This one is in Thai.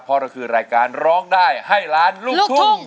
เพราะเราคือรายการร้องได้ให้ล้านลูกทุ่ง